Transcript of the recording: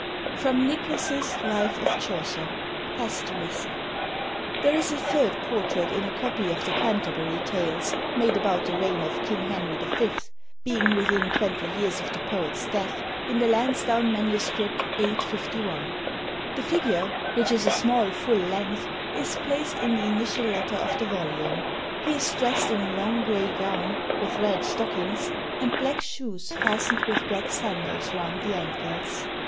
[Sidenote: Nicholas's Life of Chaucer. *] "There is a third portrait in a copy of the Canterbury Tales made about the reign of King Henry the Fifth, being within twenty years of the poet's death, in the Lansdowne MS. 851. The figure, which is a small full length, is placed in the initial letter of the volume. He is dressed in a long gray gown, with red stockings, and black shoes fastened with black sandals round the ankles.